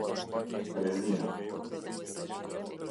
Rezina